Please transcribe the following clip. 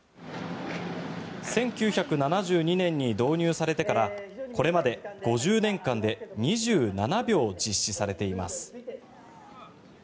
１９７２年に導入されてからこれまで５０年間で２７秒実施されています。